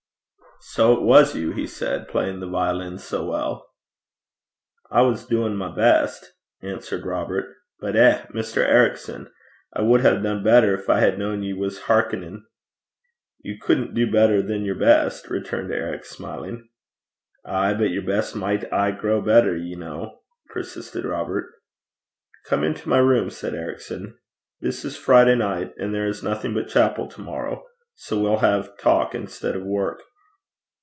'So it was you,' he said, 'playing the violin so well?' 'I was doin' my best,' answered Robert. 'But eh! Mr. Ericson, I wad hae dune better gin I had kent ye was hearkenin'.' 'You couldn't do better than your best,' returned Eric, smiling. 'Ay, but yer best micht aye grow better, ye ken,' persisted Robert. 'Come into my room,' said Ericson. 'This is Friday night, and there is nothing but chapel to morrow. So we'll have talk instead of work.'